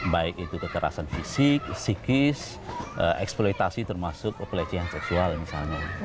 baik itu kekerasan fisik psikis eksploitasi termasuk pelecehan seksual misalnya